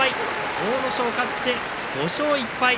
阿武咲、勝って５勝１敗。